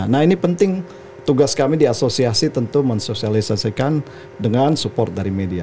nah ini penting tugas kami diasosiasi tentu mensosialisasikan dengan support dari media